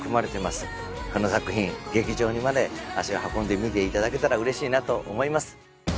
この作品劇場まで足を運んで見ていただけたらうれしいなと思います。